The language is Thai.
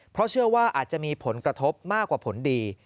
เพราะเชื่อว่าอาจจะมีผลกระทบมากกว่าผลดี